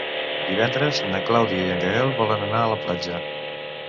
Divendres na Clàudia i en Gaël volen anar a la platja.